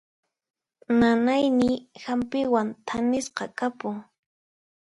Nanayniy hampiwan thanisqa kapun.